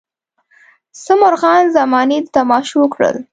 څه مرغان زمانې د تماشو کړل.